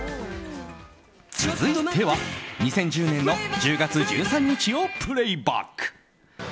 続いては２０１０年の１０月１３日をプレイバック。